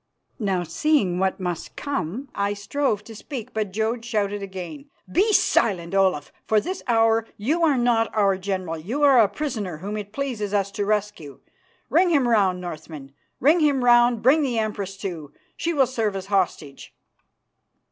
Now, seeing what must come, I strove to speak, but Jodd shouted again, "Be silent, Olaf. For this hour you are not our general; you are a prisoner whom it pleases us to rescue. Ring him round, Northmen, ring him round. Bring the Empress, too; she will serve as hostage."